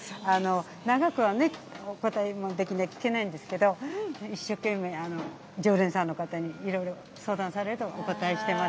長くはお応えできないんですけど、一生懸命、常連さんの方にいろいろ相談されるとお応えしてます。